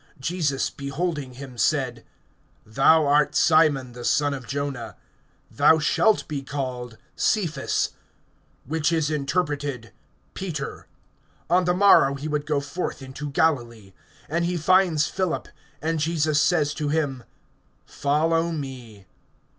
Jesus, beholding him, said: Thou art Simon the son of Jonah; thou shalt be called Cephas, which is interpreted, Peter[1:42]. (43)On the morrow he would go forth into Galilee. And he finds Philip; and Jesus says to him: Follow me.